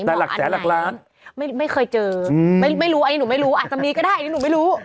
แต่หลักแสนหลักล้านไม่เคยเจอไม่รู้อันนี้หนูไม่รู้อาจจะมีก็ได้อันนี้หนูไม่รู้